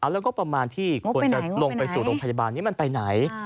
แล้วก็ประมาณที่ควรจะลงไปสู่โรงพยาบาลนี้มันไปไหน